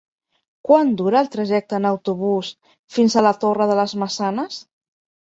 Quant dura el trajecte en autobús fins a la Torre de les Maçanes?